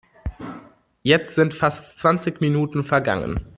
Jetzt sind fast zwanzig Minuten vergangen!